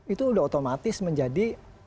itu sudah otomatis menjadi